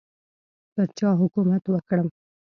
پر چا حکومت وکړم.